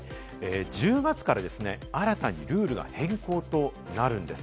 １０月からですね、新たにルールが変更となるんです。